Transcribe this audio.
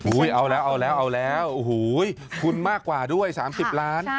อุ้ยเอาแล้วคุณมากกว่าด้วย๓๐ล้าน